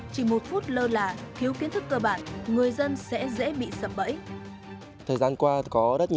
chỉ một phút lơ là thiếu kiến thức cơ bản người dân sẽ dễ bị sập bẫy